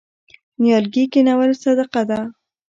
نیالګي کینول صدقه ده.